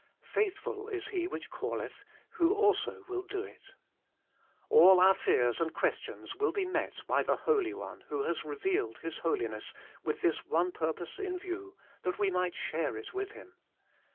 ' Faithful is He which calleth, who also will do it.' All our fears and questions will be met by the Holy One who has revealed His Holiness, with this one purpose in view, that we might share it with Him.